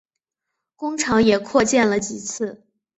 工厂也扩建了几次。